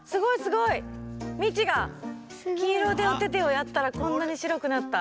ミチがきいろでお手手をやったらこんなにしろくなった。